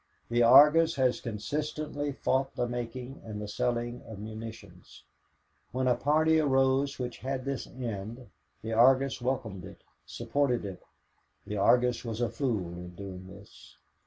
The Argus has consistently fought the making and the selling of munitions. When a party arose which had this end, the Argus welcomed it, supported it. The Argus was a fool in doing this.